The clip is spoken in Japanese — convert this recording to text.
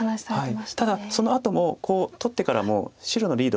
ただそのあともコウ取ってからも白のリード